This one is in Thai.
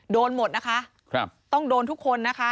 โดนหมดนะคะต้องโดนทุกคนนะคะ